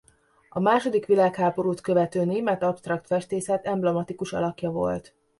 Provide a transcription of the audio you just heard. A második világháborút követő német absztrakt festészet emblematikus alakja volt.